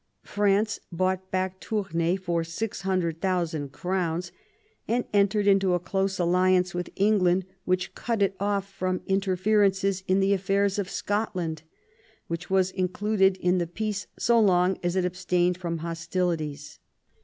France bought back Tournai for 600,000 crowns, and entered into a close alliance with England, which cut it off from inter ference in the affairs of Scotland, which was included in the peace so long as it abstained from hostilities.